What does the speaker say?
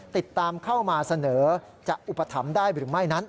ติดตามเข้ามาเสนอจะอุปถัมภ์ได้หรือไม่นั้น